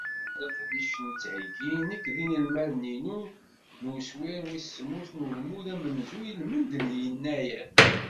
Ha-t-a leqdic i nettheyyi nekk d yinelmaden-inu n uswir wis semmus n ulmud amenzu ilmend n yennayer.